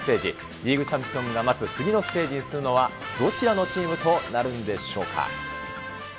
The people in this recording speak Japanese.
リーグチャンピオンが待つ次のステージに進むのはどちらのチームとなるんでしょうか。